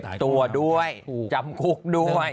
ตัวด้วยจำคุกด้วย